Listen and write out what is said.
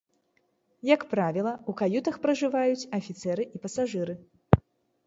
Як правіла, у каютах пражываюць афіцэры і пасажыры.